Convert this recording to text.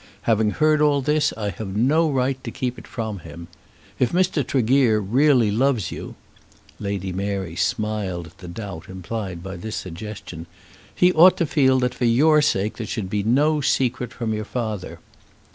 Having heard all this I have no right to keep it from him. If Mr. Tregear really loves you" Lady Mary smiled at the doubt implied by this suggestion "he ought to feel that for your sake there should be no secret from your father."